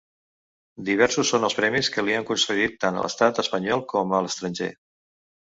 Diversos són els premis que li han concedit tant a l'Estat Espanyol com a l'estranger.